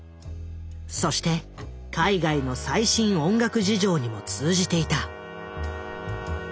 そして海外の最新音楽事情にも通じていた。